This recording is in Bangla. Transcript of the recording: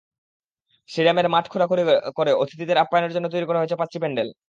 স্টেডিয়ামের মাঠ খোঁড়াখুঁড়ি করে অতিথিদের আপ্যায়নের জন্য তৈরি করা হয়েছে পাঁচটি প্যান্ডেল।